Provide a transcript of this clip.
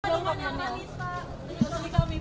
pembelajaran yang kami pak